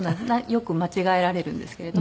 よく間違えられるんですけれども。